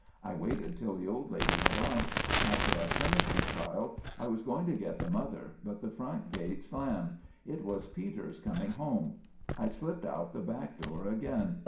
I waited till the old lady went out. After I finished the child, I was going to get the mother, but the front gate slammed. It was Peters coming home. I slipped out the back door again.